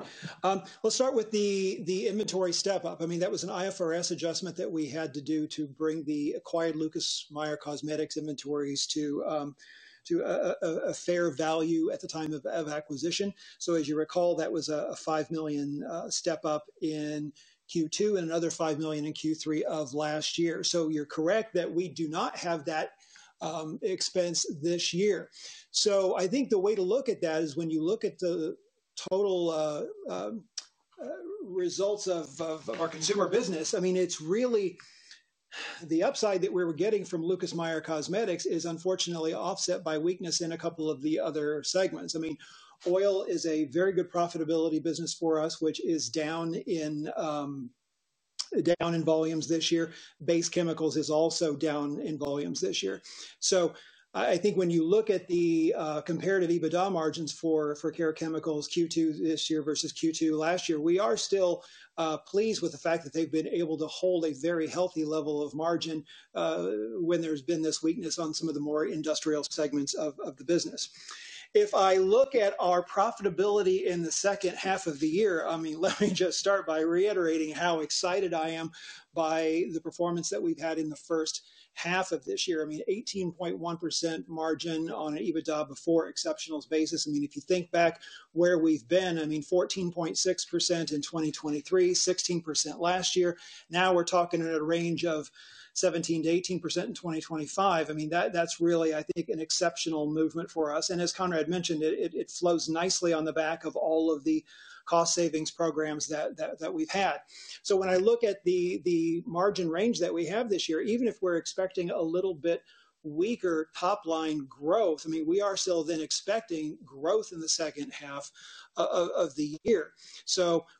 Let's start with the inventory step up. That was an IFRS adjustment that we had to do to bring the acquired Lucas Meyer Cosmetics inventories to a fair value at the time of acquisition. As you recall, that was a 5 million step up in Q2 and another 5 million in Q3 of last year. You're correct that we do not have that expense this year. I think the way to look at that is when you look at the total results of our consumer business. It's really the upside that we were getting from Lucas Meyer Cosmetics is unfortunately offset by weakness in a couple of the other segments. Oil is a very good profitability business for us, which is down in volumes this year. Base Chemicals is also down in volumes this year. When you look at the comparative EBITDA margins for Care Chemicals Q2 this year versus Q2 last year, we are still pleased with the fact that they've been able to hold a very healthy level of margin when there's been this weakness on some of the more industrial segments of the business. If I look at our profitability in the second half of the year, let me just start by reiterating how excited I am by the performance that we've had in the first half of this year. 18.1% margin on an EBITDA before exceptionals basis. If you think back where we've been, 14.6% in 2023, 16% last year, now we're talking at a range of 17% to 18% in 2025. That's really, I think, an exceptional movement for us. As Conrad mentioned, it flows nicely on the back of all of the cost savings programs that we've had. When I look at the margin range that we have this year, even if we're expecting a little bit weaker top line growth, we are still then expecting growth in the second half of the year.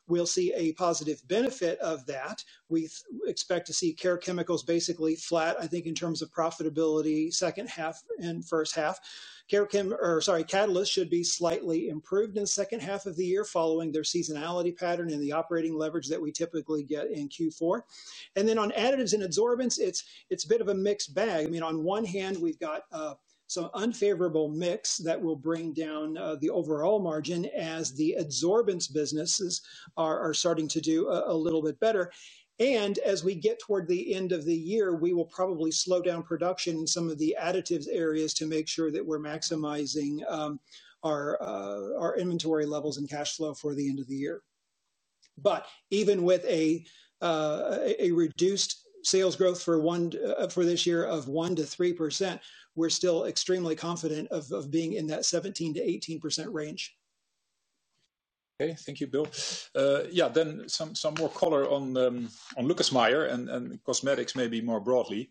We'll see a positive benefit of that. We expect to see Care Chemicals basically flat. I think in terms of profitability second half and first half, Catalysts should be slightly improved in the second half of the year, following their seasonality pattern and the operating leverage that we typically get in Q4. On Additives and Adsorbents, it's a bit of a mixed bag. On one hand, we've got some unfavorable mix that will bring down the overall margin as the adsorbents businesses are starting to do a little bit better. As we get toward the end of the year, we will probably slow down production in some of the additives areas to make sure that we're maximizing our inventory levels and cash flow for the end of the year. Even with a reduced sales growth for this year of 1 to 3%, we're still extremely confident of being in that 17 to 18% range. Okay, thank you, Bill. Yeah, Some more color on Lucas Meyer Cosmetics and cosmetics more broadly.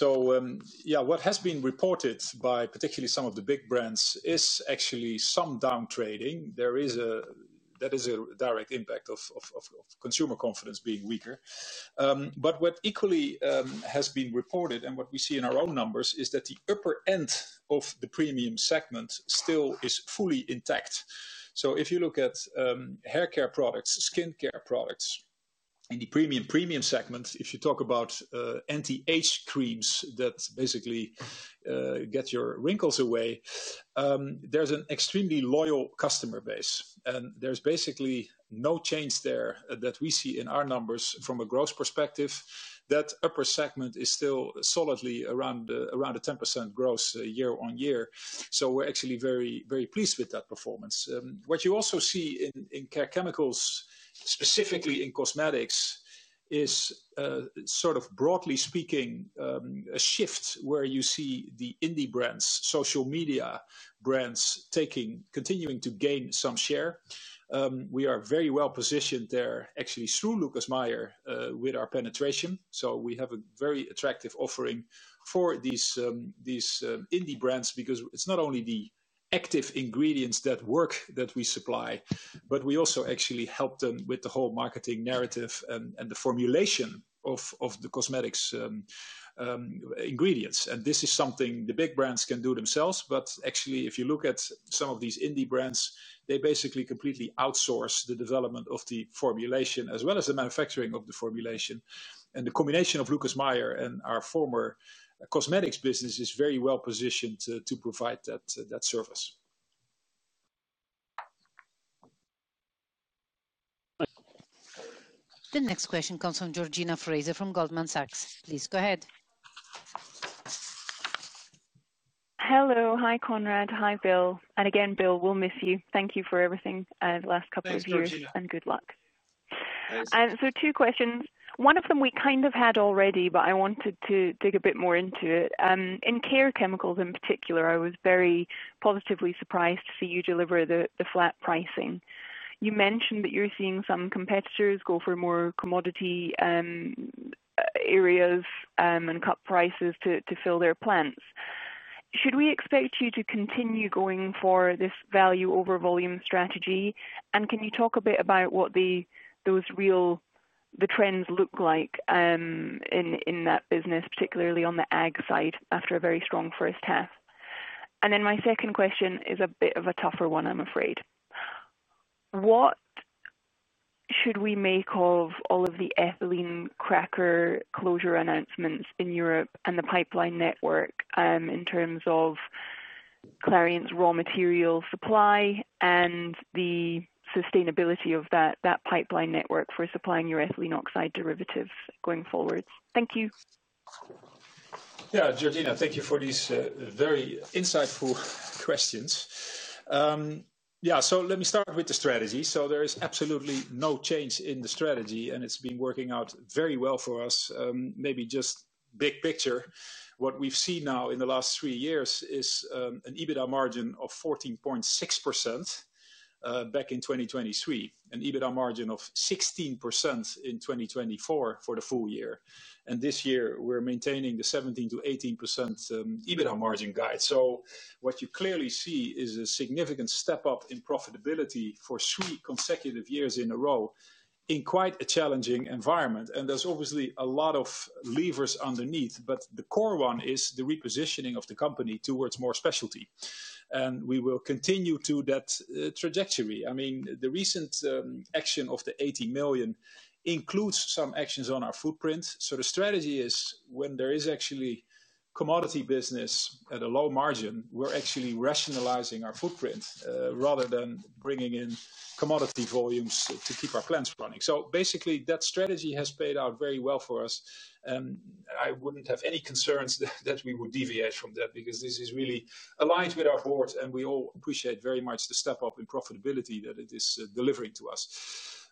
What has been reported by particularly some of the big brands is actually some down trading. That is a direct impact of consumer confidence being weaker. What equally has been reported and what we see in our own numbers is that the upper end of the premium segment still is fully intact. If you look at hair care products, skin care products in the premium premium segment, if you talk about anti-age creams that basically get your wrinkles away, there's an extremely loyal customer base and there's basically no change there that we see in our numbers. From a growth perspective, that upper segment is still solidly around a 10% gross year-on-year. We're actually very pleased with that performance. What you also see in Care Chemicals, specifically in cosmetics, is, broadly speaking, a shift where you see the indie brands, social media brands, continuing to gain some share. We are very well positioned there, actually, through Lucas Meyer Cosmetics with our penetration. We have a very attractive offering for these indie brands because it's not only the active ingredients that work that we supply, but we also actually help them with the whole marketing narrative and the formulation of the cosmetics ingredients. This is something the big brands can do themselves. If you look at some of these indie brands, they basically completely outsource the development of the formulation as well as the manufacturing of the formulation. The combination of Lucas Meyer Cosmetics and our former cosmetics business is very well positioned to provide that service. The next question comes from Georgina Fraser from Goldman Sachs. Please go ahead. Hello. Hi, Conrad. Hi, Bill. Bill, we'll miss you. Thank you for everything the last couple of years and good luck. Two questions. One of them we kind of had already, but I wanted to dig a bit more into it in Care Chemicals in particular. I was very positively surprised to see you deliver the flat pricing. You mentioned that you're seeing some competitors go for more commodity areas and cut prices to fill their plants. Should we expect you to continue going for this value-over-volume strategy? Can you talk a bit about what the real trends look like in that business, particularly on the AG side, after a very strong first half? My second question is a bit of a tougher one, I'm afraid. What should we make of all of the ethylene cracker closure announcements in Europe and the pipeline network in terms of Clariant's raw material supply and the sustainability of that pipeline network for supplying your ethylene oxide derivatives going forward? Thank you. Yeah, Georgina, thank you for these very insightful questions. Let me start with the strategy. There is absolutely no change in the strategy and it's been working out very well for us. Maybe just big picture, what we've seen now in the last three years is an EBITDA margin of 14.6% back in 2023, an EBITDA margin of 16% in 2024 for the full year, and this year we're maintaining the 17 to 18% EBITDA margin guide. What you clearly see is a significant step up in profitability for three consecutive years in a row in quite a challenging environment. There are obviously a lot of levers underneath, but the core one is the repositioning of the company towards more specialty and we will continue that trajectory. The recent action of the 80 million includes some actions on our footprint. The strategy is when there is actually commodity business at a low margin, we're actually rationalizing our footprint rather than bringing in commodity volumes to keep our plants running. Basically, that strategy has paid out very well for us. I wouldn't have any concerns that we would deviate from that because this is really aligned with our board and we all appreciate very much the step up in profitability that it is delivering to us.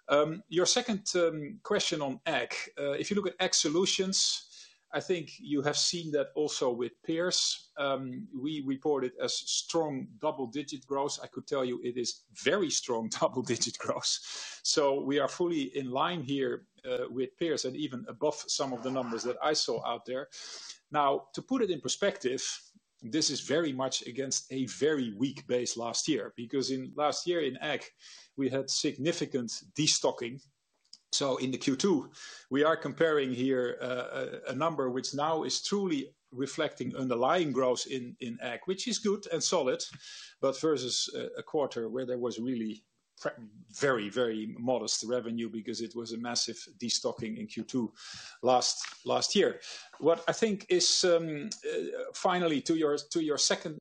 Your second question on ag, if you look at Ag Solutions, I think you have seen that also with peers, we report it as strong double-digit growth. I could tell you it is very strong double-digit growth. We are fully in line here with peers and even above some of the numbers that I saw out there. Now, to put it in perspective, this is very much against a very weak base last year because in last year in ag we had significant destocking. In Q2, we are comparing here a number which now is truly reflecting underlying growth in ag, which is good and solid, but versus a quarter where there was really very, very modest revenue because it was a massive destocking in Q2 last year. Finally, to your second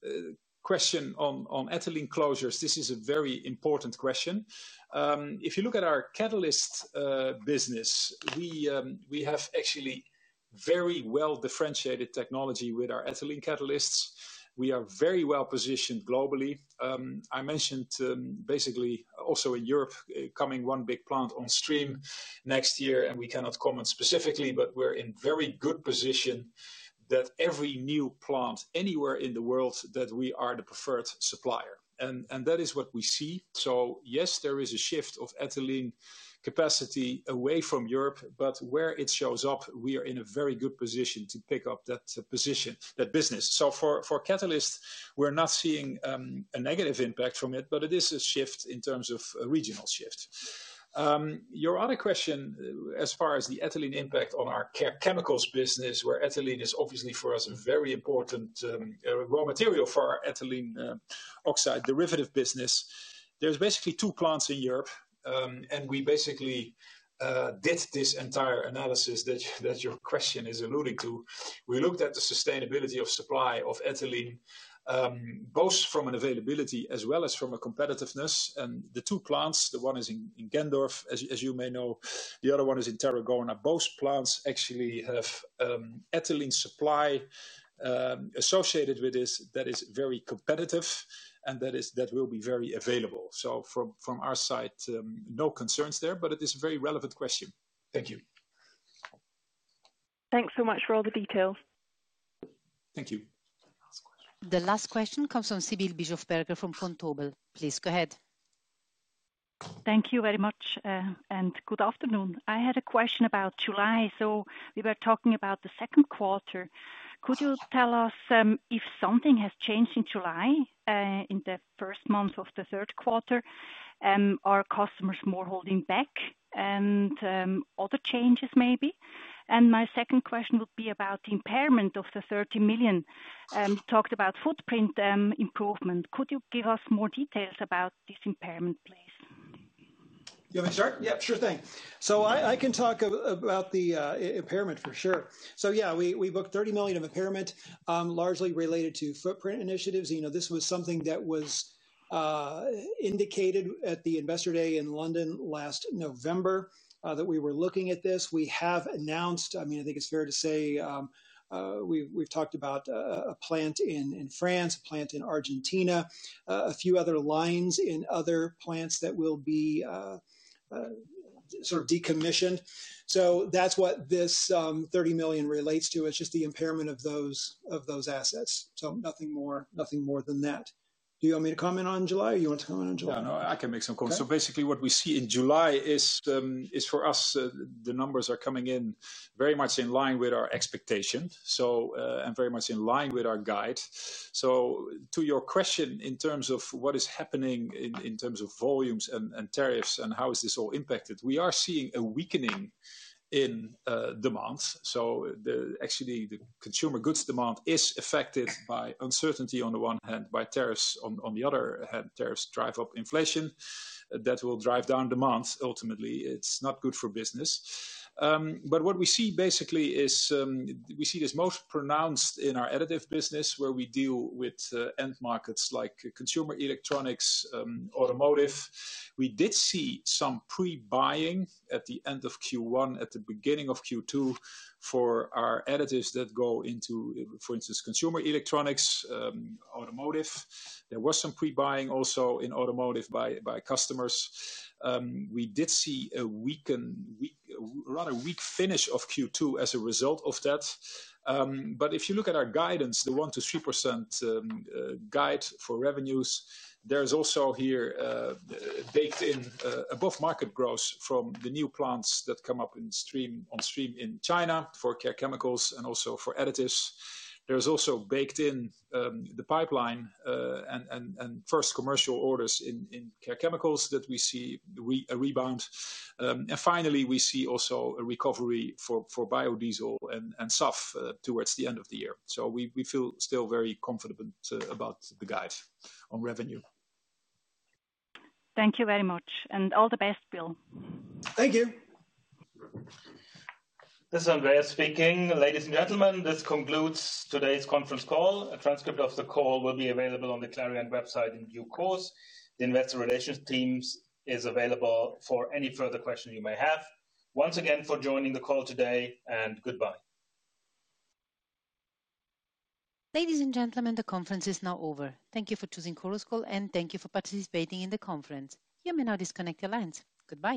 question on ethylene closures. This is a very important question. If you look at our Catalysts business, we have actually very well differentiated technology with our ethylene catalysts. We are very well positioned globally. I mentioned also in Europe, coming one big plant on stream next year and we cannot comment specifically, but we're in very good position that every new plant anywhere in the world that we are the preferred supplier. That is what we see. Yes, there is a shift of ethylene capacity away from Europe, but where it shows up, we are in a very good position to pick up that position, that business. For catalysts, we're not seeing a negative impact from it, but it is a shift in terms of a regional shift. Your other question, as far as the ethylene impact on our chemicals business, where ethylene is obviously for us a very important raw material for ethylene oxide derivative business. There are basically two plants in Europe and we basically did this entire analysis that your question is alluding to. We looked at the sustainability of supply of ethylene both from an availability as well as from a competitiveness. The two plants, one is in Gendorf, as you may know, the other one is in Tarragona. Both plants actually have ethylene supply associated with this that is very competitive and that will be very available. From our side, no concerns there, but it is a very relevant question. Thank you. Thanks so much for all the details. Thank you. The last question comes from Sibylle Bischofberger from Vontobel. Please go ahead. Thank you very much and good afternoon. I had a question about July. We were talking about the Second Quarter. Could you tell us if something has changed in July, in the first month of the Third Quarter? Are customers more holding back, and are there changes? Maybe. My second question would be about the impairment of the 30 million. You talked about footprint improvement. Could you give us more details about this impairment, please? You want me to start? Yeah, sure thing. I can talk about the impairment for sure. We booked 30 million of impairment, largely related to footprint initiatives. This was something that was indicated at the investor day in London last November that we were looking at. We have announced, I mean, I think it's fair to say we've talked about a plant in France, a plant in Argentina, and a few other lines in other plants that will be sort of decommissioned. That's what this 30 million relates to. It's just the impairment of those assets. Nothing more than that. Do you want me to comment on July or do you want to comment on July? I can make some comments. Basically, what we see in July is for us, the numbers are coming in very much in line with our expectation and very much in line with our guide. To your question, in terms of what is happening in terms of volumes and tariffs and how is this all impacted, we are seeing a weakening in demand. Actually, the consumer goods demand is affected by uncertainty on the one hand, by tariffs on the other hand. Tariffs drive up inflation, that will drive down demand. Ultimately, it's not good for business. What we see basically is we see this most pronounced in our additives business where we deal with end markets like consumer electronics and automotive. We did see some pre-buying at the end of Q1, at the beginning of Q2 for our additives that go into, for instance, consumer electronics and automotive. There was some pre-buying also in automotive by customers. We did see a rather weak finish of Q2 as a result of that. If you look at our guidance, the 1% to 3% guide for revenues, there is also here baked in above market growth from the new plants that come up on stream in China for Care Chemicals and also for additives. There is also baked in the pipeline and first commercial orders in Care Chemicals that we see a rebound. Finally, we see also a recovery for biodiesel and SAF towards the end of the year. We feel still very confident about the guide on revenue. Thank you very much, and all the best, Bill. Thank you. This is Andreas speaking. Ladies and gentlemen, this concludes today's conference call. A transcript of the call will be available on the Clariant website in due course. The Investor Relations team is available for any further question you may have. Once again, thank you for joining the call today. Goodbye. Ladies and gentlemen, the conference is now over. Thank you for choosing Chorus Call and thank you for participating in the conference. You may now disconnect your lines. Goodbye.